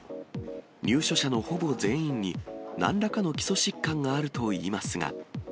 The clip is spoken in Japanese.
入所者のほぼ全員に、なんらかの基礎疾患があるといいますが。